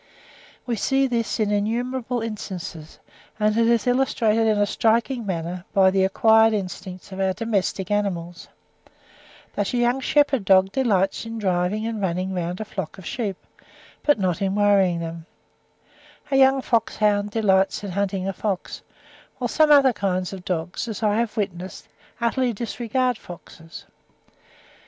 We see this in innumerable instances, and it is illustrated in a striking manner by the acquired instincts of our domesticated animals; thus a young shepherd dog delights in driving and running round a flock of sheep, but not in worrying them; a young fox hound delights in hunting a fox, whilst some other kinds of dogs, as I have witnessed, utterly disregard foxes.